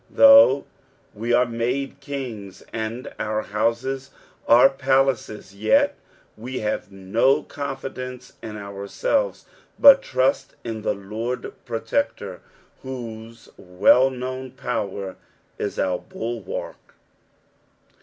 Though we are made kings, and our houses are palaces, jet we have no con fidence in ourselves, but trust in the Lord Protector, whose well known power is our bulwark.